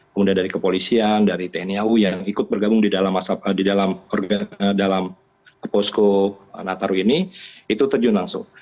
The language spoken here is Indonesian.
kemudian dari kepolisian dari tni au yang ikut bergabung di dalam posko nataru ini itu terjun langsung